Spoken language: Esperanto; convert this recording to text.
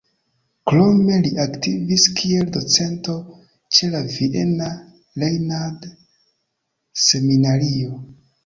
Krome li aktivis kiel docento ĉe la Viena Reinhardt-Seminario.